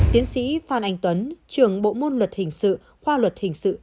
tiến sĩ phan anh tuấn trường bộ môn luật hình sự khoa luật hình sự